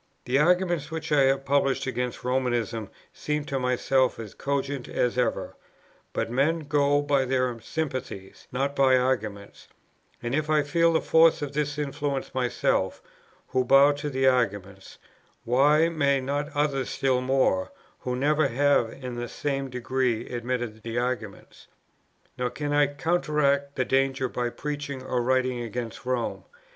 "The arguments which I have published against Romanism seem to myself as cogent as ever, but men go by their sympathies, not by argument; and if I feel the force of this influence myself, who bow to the arguments, why may not others still more, who never have in the same degree admitted the arguments? "Nor can I counteract the danger by preaching or writing against Rome.